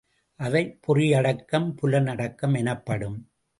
அவை பொறி அடக்கம் புலன் அடக்கம் எனப்படும்.